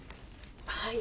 はい。